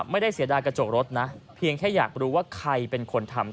ไม่ได้เสียดายกระจกรถนะเพียงแค่อยากรู้ว่าใครเป็นคนทำ